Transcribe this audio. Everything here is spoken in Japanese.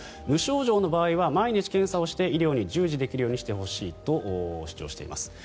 無症状の場合は毎日検査をして医療に従事できるようにしてほしいと主張しています。